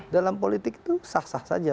dalam politik itu sah sah saja